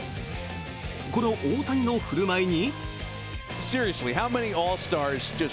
この大谷の振る舞いに。